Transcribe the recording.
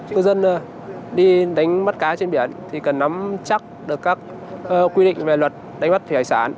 cư dân đi đánh bắt cá trên biển thì cần nắm chắc được các quy định về luật đánh bắt thủy hải sản